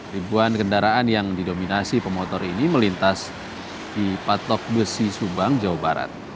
ribuan kendaraan yang didominasi pemotor ini melintas di patok besi subang jawa barat